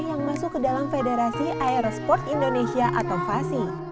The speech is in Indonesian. yang masuk ke dalam federasi aerosports indonesia atau fasi